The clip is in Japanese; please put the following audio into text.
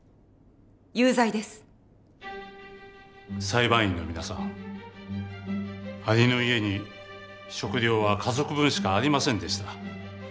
裁判員の皆さんアリの家に食料は家族分しかありませんでした。